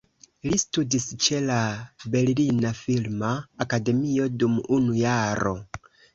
Li studis ĉe la "Berlina Filma Akademio" dum unu jaro.